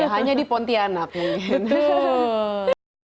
hanya di pontianak mungkin